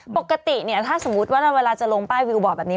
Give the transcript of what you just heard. ปกติเนี่ยถ้าสมมุติว่าเวลาจะลงป้ายวิวบอร์ดแบบนี้